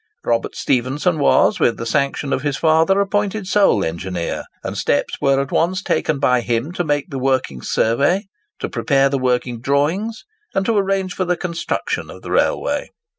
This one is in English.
Robert Stephenson was, with the sanction of his father, appointed sole engineer; and steps were at once taken by him to make the working survey, to prepare the working drawings, and arrange for the construction of the railway.